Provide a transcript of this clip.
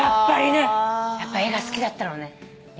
やっぱ絵が好きだったのね。